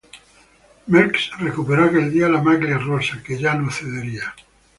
Merckx recuperó aquel día la maglia rosa, que ya no cedería.